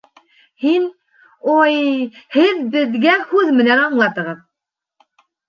Һин, ой, Һеҙ беҙгә һүҙ менән аңлатығыҙ.